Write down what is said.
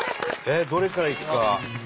えっどれからいくか。